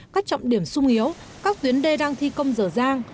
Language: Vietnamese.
các trọng điểm sung yếu các tuyến đê đang thi công dở dang